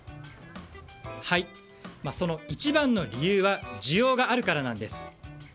その一番の理由は需要があるからなんです。